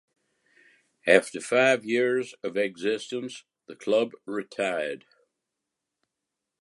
After five years of existence, the club retired.